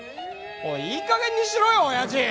おいいい加減にしろよ親父！